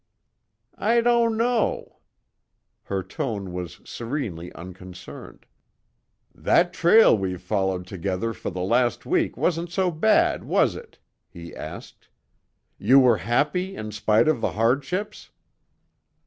"I don't know." Her tone was serenely unconcerned. "That trail we've followed together for the last week wasn't so bad, was it?" he asked. "You were happy in spite of the hardships?"